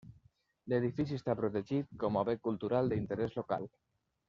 L'edifici està protegit com a bé cultural d'interès local.